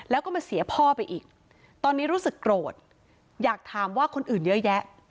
แล้วก็มาเสียพ่อไปอีกตอนนี้รู้สึกโกรธอยากถามว่าคนอื่นเยอะแยะ